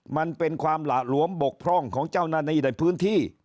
มันเป็นความหละหลวมบกพร่องของเจ้าหน้าที่ในพื้นที่